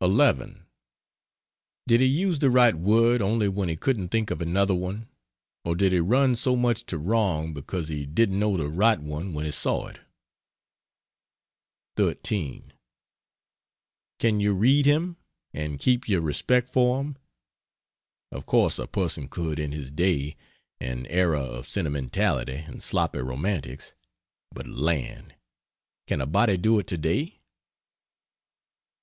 11. Did he use the right word only when he couldn't think of another one, or did he run so much to wrong because he didn't know the right one when he saw it? 13. Can you read him? and keep your respect for him? Of course a person could in his day an era of sentimentality and sloppy romantics but land! can a body do it today?